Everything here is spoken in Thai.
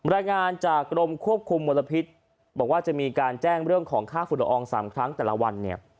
รายงานจากกรมควบคุมมลพิษบอกว่าจะมีการแจ้งเรื่องของค่าฝุ่นละออง๓ครั้งแต่ละวันเนี่ย